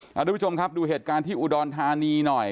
คุณผู้ชมครับดูเหตุการณ์ที่อุดรธานีหน่อย